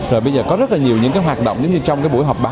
rồi bây giờ có rất nhiều hoạt động